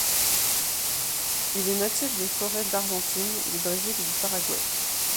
Il est natif des forêts d'Argentine, du Brésil et du Paraguay.